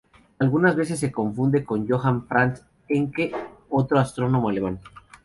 Algunas veces se le confunde con Johann Franz Encke, otro astrónomo alemán.